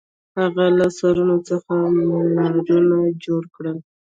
هغه له سرونو څخه منارونه جوړ کړل.